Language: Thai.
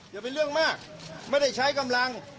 อย่าเป็นเรื่องมากไม่ได้ใช้กำลัง